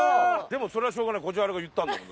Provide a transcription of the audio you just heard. もそれはしょうがないこじはるが言ったんだもん。